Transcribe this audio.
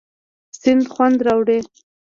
سیند خوند راوړي.